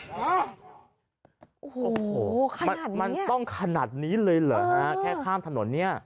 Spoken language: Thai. โอ้โหมันต้องขนาดนี้เลยเหรอฮะแค่ข้ามถนนเนี่ย